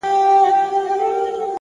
گراني اوس دي سترگي رانه پټي كړه؛